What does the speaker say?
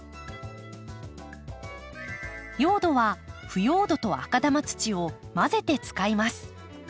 用土は腐葉土と赤玉土を混ぜて使います。